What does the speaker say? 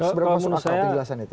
seberapa maksud akal dijelasan itu